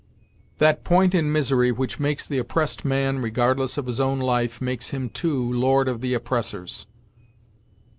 "That point in misery, which makes the oppressed man regardless of his own life, makes him too Lord of the oppressor's."